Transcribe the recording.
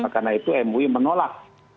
karena itu mui menolak